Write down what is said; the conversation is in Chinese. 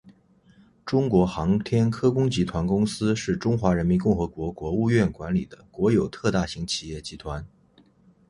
中国航天科工集团公司是中华人民共和国国务院管理的国有特大型企业集团。